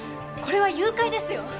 これは誘拐ですよ！